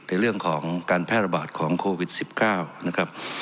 ในเรื่องของการแพร่ระบาดของโควิด๑๙นะครับ